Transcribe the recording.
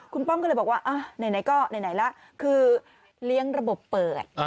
คุณป้อมก็เลยบอกว่าไหนก็ไหนล่ะคือเลี้ยงระบบเปิด